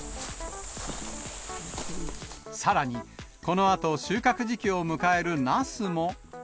さらにこのあと収穫時期を迎えるナスも。